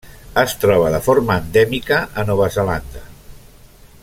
Es troba de forma endèmica a Nova Zelanda.